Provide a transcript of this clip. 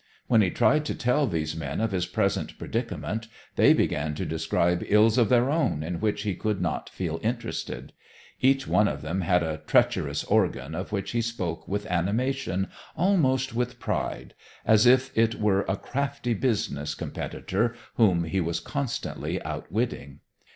When he tried to tell these men of his present predicament, they began to describe ills of their own in which he could not feel interested. Each one of them had a treacherous organ of which he spoke with animation, almost with pride, as if it were a crafty business competitor whom he was constantly outwitting.